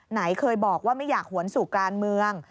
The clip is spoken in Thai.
ไหนเคยบอกว่าไม่อยากหวนสู่การเมือง